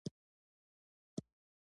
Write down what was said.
دا د انګریزانو استعماري پلان و.